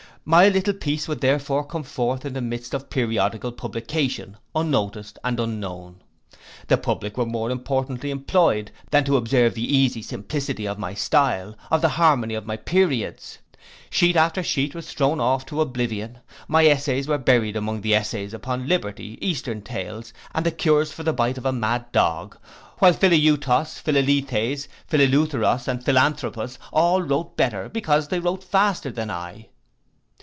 My little piece would therefore come forth in the mist of periodical publication, unnoticed and unknown. The public were more importantly employed, than to observe the easy simplicity of my style, of the harmony of my periods. Sheet after sheet was thrown off to oblivion. My essays were buried among the essays upon liberty, eastern tales, and cures for the bite of a mad dog; while Philautos, Philalethes, Philelutheros, and Philanthropos, all wrote better, because they wrote faster, than I.